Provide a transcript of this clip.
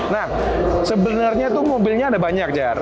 nah sebenernya tuh mobilnya ada banyak jar